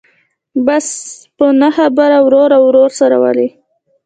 بس په نه خبره ورور او ورور سره ولي.